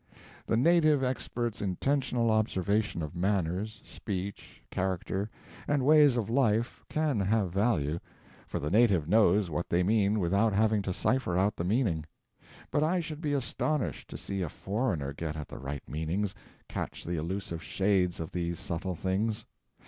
The native expert's intentional observation of manners, speech, character, and ways of life can have value, for the native knows what they mean without having to cipher out the meaning. But I should be astonished to see a foreigner get at the right meanings, catch the elusive shades of these subtle things.